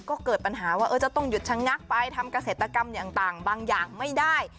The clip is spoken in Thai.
ก็เกิดปัญหาว่าจะต้องหยุดชะงักไปทำเกษตรกรรมต่างบางอย่างไม่ได้